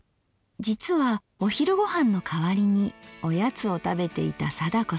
実はお昼ごはんの代わりにおやつを食べていた貞子さん。